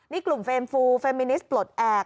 นี่กลุ่มเฟรมฟูเฟรมมินิสปลดแอบ